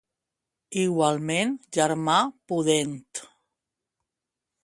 Igualment, germà pudent!